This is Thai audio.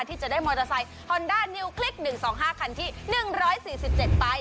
ที่จะได้มอเตอร์ไซค์ฮอนด้านิวคลิก๑๒๕คันที่๑๔๗ไป